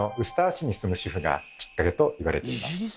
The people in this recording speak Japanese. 市に住む主婦がきっかけと言われています。